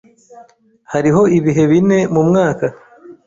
Hariho ibihe bine mumwaka.